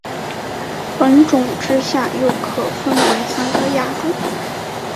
本种之下又可分为三个亚种。